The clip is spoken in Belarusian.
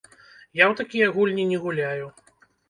Я ў такія гульні не гуляю.